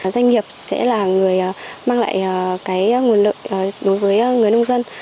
doanh nghiệp sẽ là người mang lại cái nguồn lợi đối với người nông dân